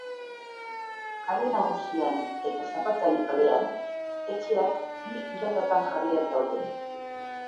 Kale Nagusian eta Zapatari kalean, etxeak bi ilaratan jarriak daude.